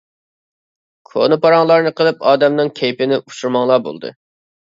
كونا پاراڭلارنى قىلىپ ئادەمنىڭ كەيپىنى ئۇچۇرماڭلار بولدى.